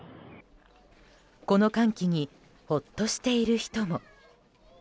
この寒気にほっとしている人も。